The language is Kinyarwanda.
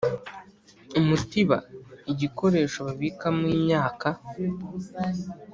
umutiba: igikoresho babikamo imyaka